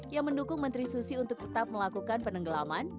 yang mendukung menteri susi untuk tetap melakukan penenggelaman